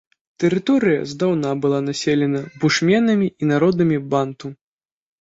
Тэрыторыя здаўна была населена бушменамі і народамі банту.